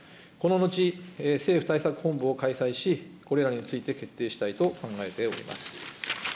この後、政府対策本部を開催し、これらについて決定したいと考えております。